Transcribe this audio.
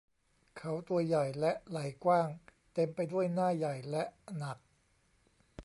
เขาตัวใหญ่และไหล่กว้าง เต็มไปด้วยหน้าใหญ่และหนัก